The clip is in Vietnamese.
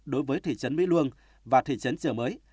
đối với thị trấn mỹ luông và thị trấn trợ mới